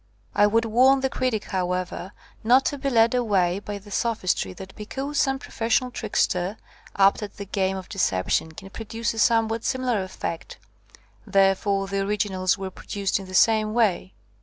I would warn the critic, however, not to be led away by the sophistry that because some professional trickster, apt at the game of deception, can produce a somewhat simi lar effect, therefore the originals were pro duced in the same way.